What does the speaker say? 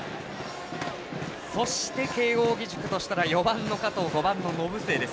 そして慶応義塾としたら４番の加藤、５番の延末です。